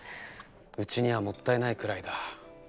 うちにはもったいないくらいだ。